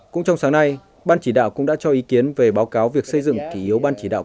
cũng trong sáng nay ban chỉ đạo cũng đã cho ý kiến về báo cáo việc xây dựng kỷ yếu ban chỉ đạo